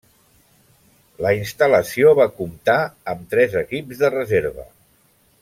La instal·lació va comptar amb tres equips de reserva.